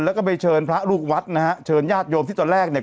แล้วก็ไปเชิญพระลูกวัดนะฮะเชิญญาติโยมที่ตอนแรกเนี่ย